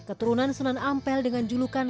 keturunan sunan ampel dengan julukan